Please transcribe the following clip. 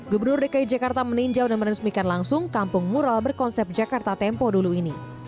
gubernur dki jakarta meninjau dan meresmikan langsung kampung mural berkonsep jakarta tempo dulu ini